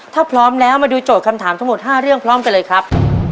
ถ้าพร้อมแล้วมาดูโจทย์คำถามทั้งหมด๕เรื่องพร้อมกันเลยครับ